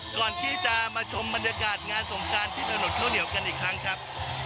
ก่อนที่จะมาชมบรรยากาศงานสงการที่ถนนข้าวเหนียวกันอีกครั้งครับ